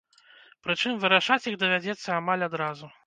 Прычым вырашаць іх давядзецца амаль адразу.